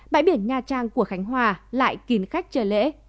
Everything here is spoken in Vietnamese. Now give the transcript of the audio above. bãi biển nha trang của khánh hòa lại kín khách chờ lễ